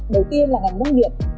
đầu tiên là ngành nông nghiệp